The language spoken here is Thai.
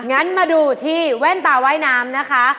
งั้นมาดูที่แว่นตาว่ายน้ำนะคะ